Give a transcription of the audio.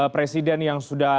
presiden yang sudah